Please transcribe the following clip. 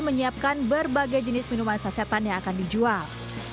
menyiapkan berbagai jenis minuman sasetan yang akan dijual